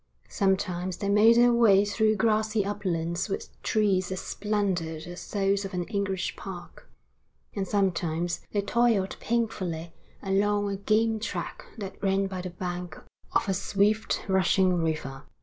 Sometimes they made their way through grassy uplands with trees as splendid as those of an English park, and sometimes they toiled painfully along a game track that ran by the bank of a swift rushing river.